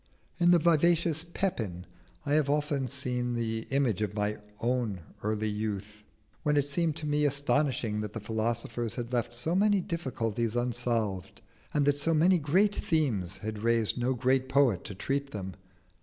In the vivacious Pepin I have often seen the image of my early youth, when it seemed to me astonishing that the philosophers had left so many difficulties unsolved, and that so many great themes had raised no great poet to treat them.